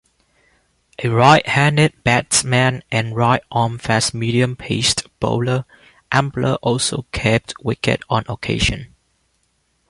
A right-handed batsman and right-arm fast-medium paced bowler, Ambler also kept wicket on occasion.